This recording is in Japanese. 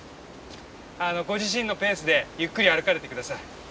ご自身のペースでゆっくり歩かれて下さい。